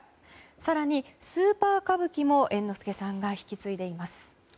更に、「スーパー歌舞伎」も猿之助さんが引き継いでいます。